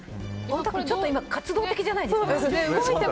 ちょっと今活動的じゃないですか？